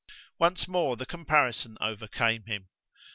Once more the comparison overcame him.